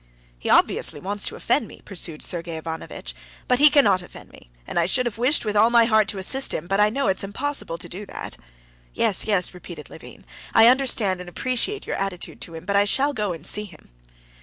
"He obviously wants to offend me," pursued Sergey Ivanovitch; "but he cannot offend me, and I should have wished with all my heart to assist him, but I know it's impossible to do that." "Yes, yes," repeated Levin. "I understand and appreciate your attitude to him; but I shall go and see him."